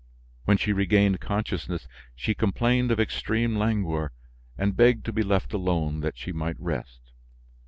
When she regained consciousness, she complained of extreme languor, and begged to be left alone that she might rest.